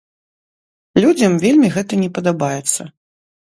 Людзям вельмі гэта не падабаецца.